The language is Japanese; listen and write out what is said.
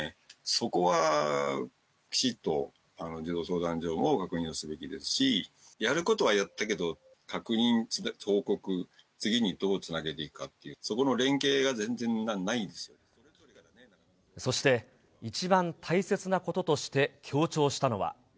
そこはきちっと児童相談所も確認すべきですし、やることはやったけど、確認・報告、次にどうつなげていくかっていう、そこの連携が全然そして、一番大切なこととして強調したのは。